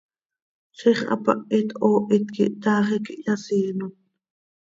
Ziix hapahit hoohit quih, taax iiqui hyasiiinot.